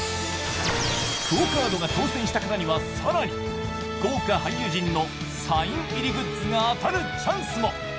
ＱＵＯカードが当選した方には更に豪華俳優陣のサイン入りグッズが当たるチャンスも。